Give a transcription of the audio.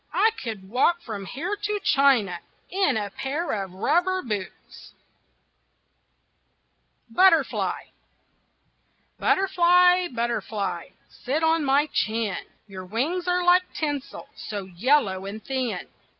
I could walk from here to China In a pair of rubber boots. BUTTERFLY Butterfly, butterfly, Sit on my chin, Your wings are like tinsel, So yellow and thin.